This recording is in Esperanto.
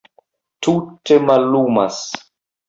Tute mallumas.